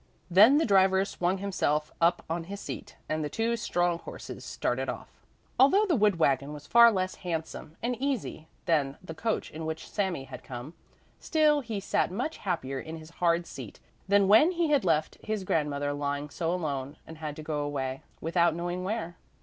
Then the driver swung himself up on his seat and the two strong horses started off. Although the wood wagon was far less handsome and easy than the coach in which Sami had come, still he sat much happier in his hard seat than when he had left his grandmother lying so alone and had to go away, without knowing where.